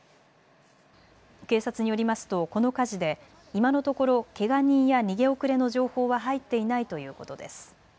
警察によりますとこの火事で今のところ、けが人や逃げ遅れの情報は入っていないということです。